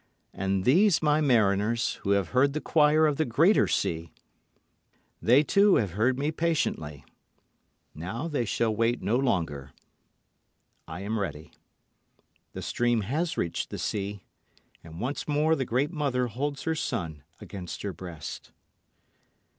And these my mariners, who have heard the choir of the greater sea, they too have heard me patiently. Now they shall wait no longer. I am ready. The stream has reached the sea, and once more the great mother holds her son against her breast.